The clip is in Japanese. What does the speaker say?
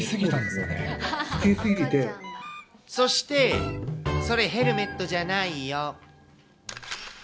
そして、それ、ヘルメットじゃないよ。